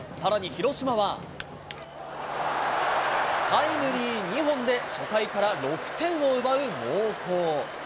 タイムリー２本で、初回から６点を奪う猛攻。